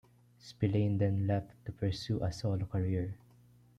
Spillane then left to pursue a solo career.